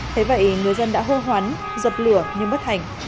thế vậy người dân đã hô hoán dập lửa nhưng bất hành